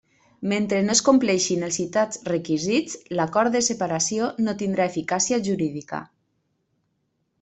Mentre no es compleixin els citats requisits, l'acord de separació no tindrà eficàcia jurídica.